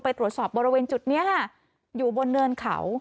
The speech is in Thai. ตรวจสอบบริเวณจุดนี้ค่ะอยู่บนเนินเขา